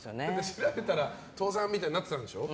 調べたら倒産みたいになってたんでしょ？